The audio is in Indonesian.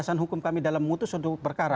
itu hukum kami dalam mutus untuk berkarat